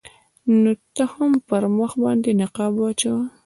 نو ته هم پر مخ باندې نقاب واچوه.